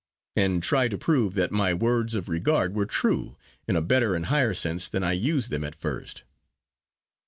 and try to prove that my words of regard were true, in a better and higher sense than I used them at first."